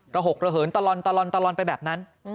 หกระเหินตะลอนตะลอนตะลอนไปแบบนั้น